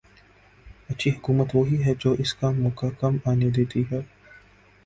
اچھی حکومت وہی ہے جو اس کا موقع کم آنے دیتی ہے۔